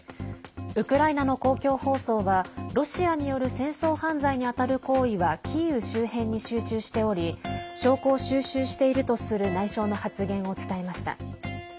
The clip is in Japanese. ウクライナの公共放送はロシアによる戦争犯罪に当たる行為はキーウ周辺に集中しており証拠を収集しているとする内相の発言を伝えました。